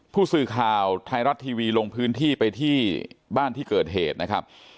ผู้สื่อข่าวไทยรัฐทีวีลงพื้นที่ไปที่บ้านที่เกิดเหตุนะครับ